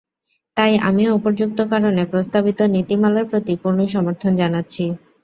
তাই আমিও উপর্যুক্ত কারণে, প্রস্তাবিত নীতিমালার প্রতি পূর্ণ সমর্থন জানাচ্ছি।